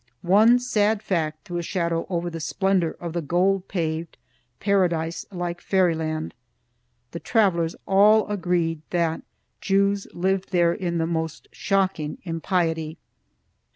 One sad fact threw a shadow over the splendor of the gold paved, Paradise like fairyland. The travelers all agreed that Jews lived there in the most shocking impiety.